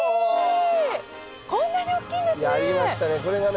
こんなに大きいんですね！